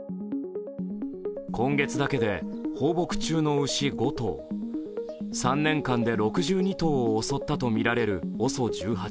今月だけで放牧中の牛５頭、３年間で６２頭を襲ったとみられるＯＳＯ１８。